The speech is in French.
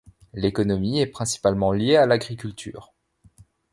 L'économie est principalement liée à l'agriculture.